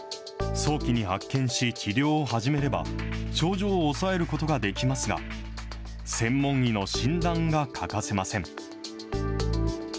早期に発見し治療を始めれば、症状を抑えることができますが、専門医の診断が欠かせません。